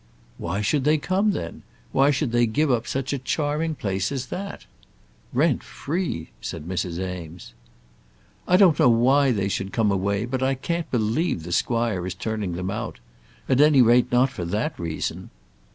"Why should they come then? Why should they give up such a charming place as that?" "Rent free!" said Mrs. Eames. "I don't know why they should come away, but I can't believe the squire is turning them out; at any rate not for that reason."